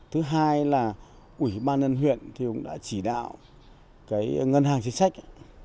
thứ hai là ủy ban nhân huyện thì cũng đã chỉ đạo cái ngân hàng chính sách